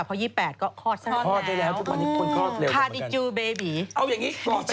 เพราะ๒๘ก็คลอดได้แล้วคาดิจูเบบีคลอดได้แล้วทุกวันนี้คลอดเร็วมาก